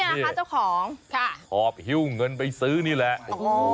นะคะเจ้าของค่ะหอบหิ้วเงินไปซื้อนี่แหละโอ้โห